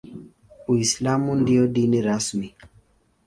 Uislamu ndio dini rasmi.